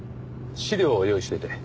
資料を用意しておいて。